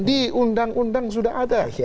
di undang undang sudah ada